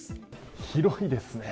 広いですね。